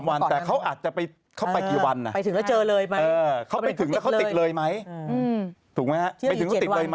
เราไม่มีทางรู้เลย